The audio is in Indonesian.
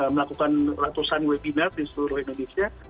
melakukan ratusan webinar di seluruh indonesia